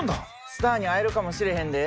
スターに会えるかもしれへんで。